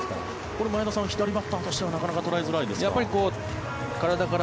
これ、前田さん左バッターとしてはなかなか捉えづらいですか？